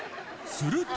すると。